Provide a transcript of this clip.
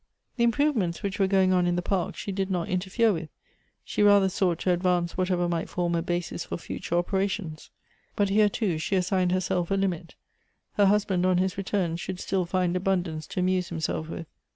The improvements which were going on in the park she did not interfere with ; she rather sought to advance whatever might form a basis for future operations. But here, too, she assigned herself a limit. Her husband on his return should still find abundance to amuse himself with.